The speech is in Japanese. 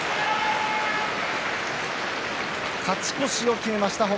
勝ち越しを決めました。